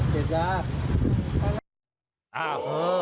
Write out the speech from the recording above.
เสพยา